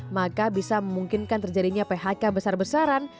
maka bisa memungkinkan terjadinya phk besar besaran